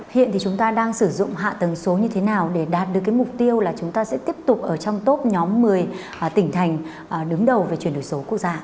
hiện thì chúng ta đang sử dụng hạ tầng số như thế nào để đạt được cái mục tiêu là chúng ta sẽ tiếp tục ở trong top nhóm một mươi tỉnh thành đứng đầu về chuyển đổi số quốc gia